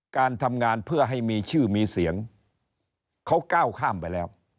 การทำงานเพื่อให้มีชื่อมีเสียงเขาก้าวข้ามไปแล้ว